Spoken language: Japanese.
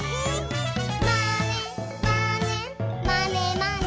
「まねまねまねまね」